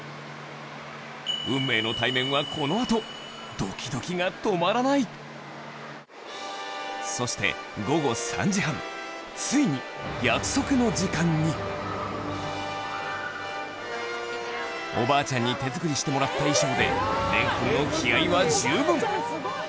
運命の対面はこの後ドキドキが止まらないそして午後３時半ついに約束の時間におばあちゃんに手作りしてもらった衣装で錬くんの気合は十分！